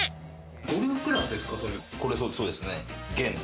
ゴルフクラブですか？